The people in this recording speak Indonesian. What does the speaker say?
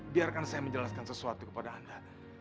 biarkan saya menjelaskan sesuatu kepada anda